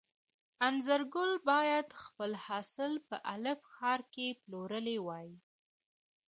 انځرګل باید خپل حاصل په الف ښار کې پلورلی وای.